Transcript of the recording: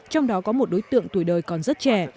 trong đó có một đối tượng tuổi đời còn rất trẻ